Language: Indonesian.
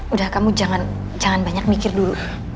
udah kamu jangan banyak mikir dulu